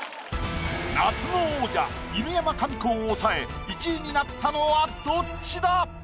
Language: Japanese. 夏の王者犬山紙子を抑え１位になったのはどっちだ